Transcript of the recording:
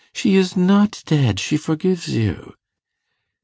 She is not dead she forgives you.